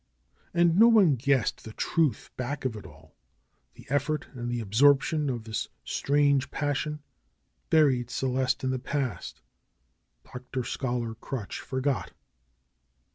And no one guessed the truth back of it all. The ef fort and the absorption of this strange passion buried Celeste in the past. Dr. Scholar Crutch forgot.